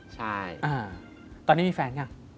ใช่ตอนนี้มีแฟนยัง